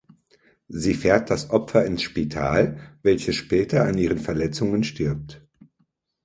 Sie fährt das Opfer ins Spital, welches später an ihren Verletzungen stirbt.